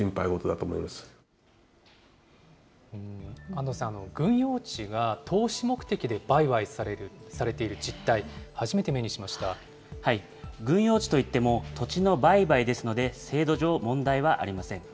安藤さん、軍用地が投資目的で売買されている実態、初めて目軍用地といっても、土地の売買ですので、制度上、問題はありません。